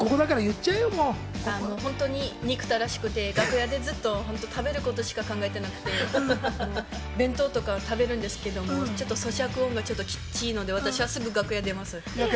本当に憎たらしくて、楽屋でずっと食べることしか考えてなくて、弁当とか食べるんですけど、咀嚼音がきっちぃので、私はすぐ楽屋を出ます。